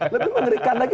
lebih mengerikan lagi